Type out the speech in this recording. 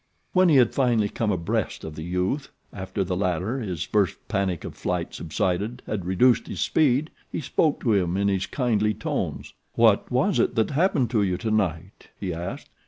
When he had finally come abreast of the youth after the latter, his first panic of flight subsided, had reduced his speed, he spoke to him in his kindly tones. "What was it that happened to you to night?" he asked.